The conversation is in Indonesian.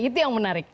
itu yang menarik